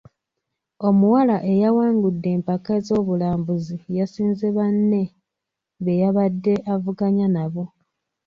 Omuwala eyawangudde empaka z'obulambuzi yasinze banne be yabadde avuganya nabo.